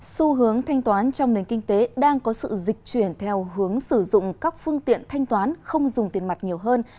xu hướng thanh toán trong nền kinh tế đang có sự dịch chuyển theo hướng sử dụng các phương tiện thanh toán không dùng tiền mặt nhiều hơn